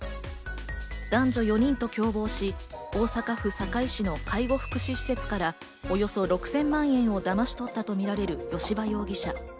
男女４人と共謀し、大阪府堺市の介護福祉施設からおよそ６０００万円をだまし取ったとみられる吉羽容疑者。